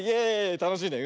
たのしいね。